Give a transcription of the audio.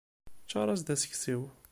Ččar-as-d aseksiw.